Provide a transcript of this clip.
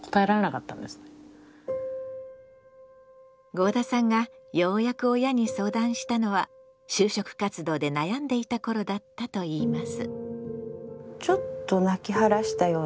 合田さんがようやく親に相談したのは就職活動で悩んでいた頃だったといいます。